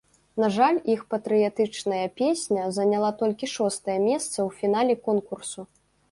На жаль, іх патрыятычная песня заняла толькі шостае месца ў фінале конкурсу.